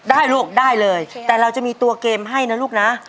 ลูกได้เลยแต่เราจะมีตัวเกมให้นะลูกนะ